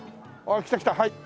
来た来たはい。